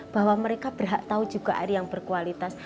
bahwa mereka berhak tahu juga air yang berkualitas